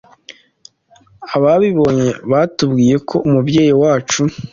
* Ababibonye batubwiye ko umubyeyi wacu